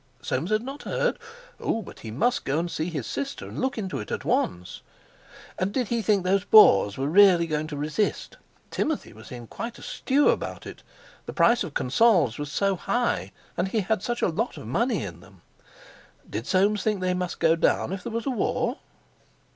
Soames had not heard? Oh, but he must go and see his sister and look into it at once! And did he think these Boers were really going to resist? Timothy was in quite a stew about it. The price of Consols was so high, and he had such a lot of money in them. Did Soames think they must go down if there was a war?